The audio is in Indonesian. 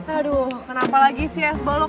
aduh kenapa lagi sih s ball lo